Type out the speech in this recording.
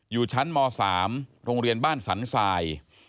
อยู่ชั้นม๓โรงเรียนบ้านสันทราย